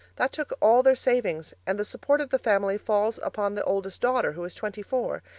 That took all their savings, and the support of the family falls upon the oldest daughter, who is twenty four.